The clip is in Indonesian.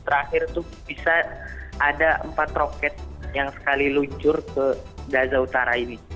terakhir itu bisa ada empat roket yang sekali luncur ke gaza utara ini